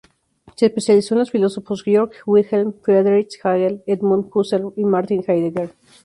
Se especializó en los filósofos Georg Wilhelm Friedrich Hegel, Edmund Husserl y Martin Heidegger.